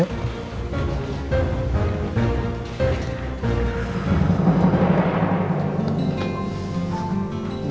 yaudah kita tunggu randy